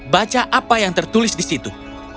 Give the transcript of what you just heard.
baca apa yang tertulis di situ